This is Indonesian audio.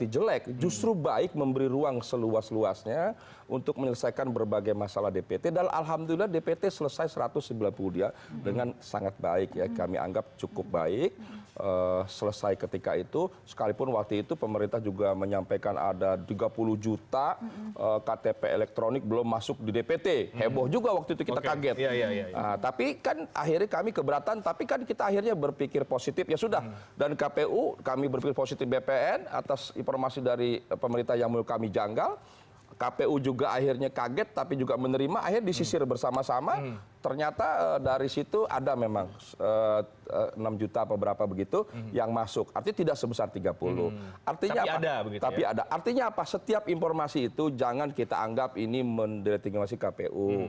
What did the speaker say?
jangan kita anggap ini mendiratingasi kpu